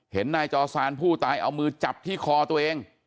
นายจอซานผู้ตายเอามือจับที่คอตัวเอง